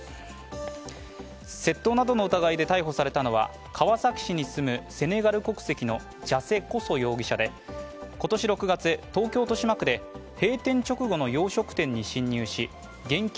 窃盗などの疑いで逮捕されたのは川崎市に住むセネガル国籍のジャセ・コソ容疑者で今年６月、東京・豊島区で閉店直後の洋食店に侵入し現金